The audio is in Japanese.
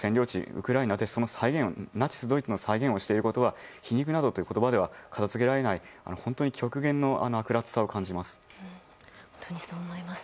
ウクライナでナチスドイツの再現をしているのは皮肉などという言葉では片づけられない本当にそう思います。